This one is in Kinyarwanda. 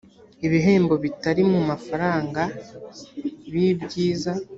ibihembo bitari mu mafaranga bibyiza